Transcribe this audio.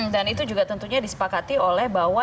dan itu juga tentunya disepakati oleh bahwa